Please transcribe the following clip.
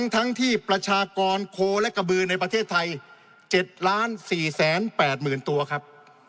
ทั้งที่ประชากรโคและกระบือในประเทศไทย๗๔๘๐๐๐ตัวครับ